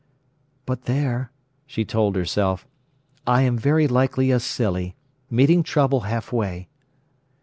"But there," she told herself, "I am very likely a silly—meeting trouble halfway."